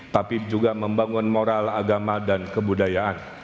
tapi juga membangun moral agama dan kebudayaan